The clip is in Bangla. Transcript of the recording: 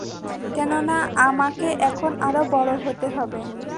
কেননা আমাকে এখন আরো বড় হতে হবে।